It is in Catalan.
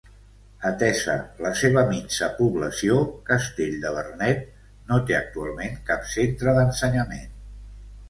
Atesa la seva minsa població, Castell de Vernet no té actualment cap centre d'ensenyament.